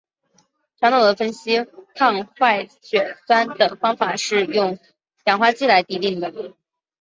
传统的分析抗坏血酸的方法是用氧化剂来滴定。